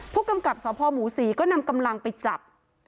ผู้กำกับสพหมูศรีก็นำกำลังไปจับ